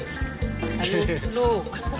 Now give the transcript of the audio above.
ลูก